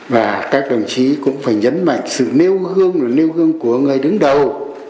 và các đồng chí cũng phải nhấn mạnh sự nêu gương và nêu gương của người đứng đầu